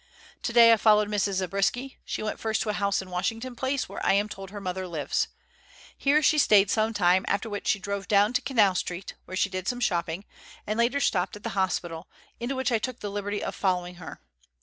Today I followed Mrs. Zabriskie. She went first to a house in Washington Place where I am told her mother lives. Here she stayed some time, after which she drove down to Canal Street, where she did some shopping, and later stopped at the hospital, into which I took the liberty of following her.